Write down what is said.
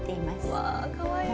うわかわいい。